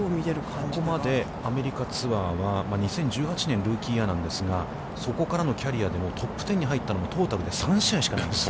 ここまでアメリカツアーは、ルーキーイヤーなんですが、そこからのキャリアでも、トップテンに入ったのもトータルで３試合しかないんです。